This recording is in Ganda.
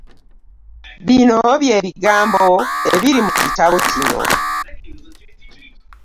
Bino by'ebigambo ebiri mu kitabo kino .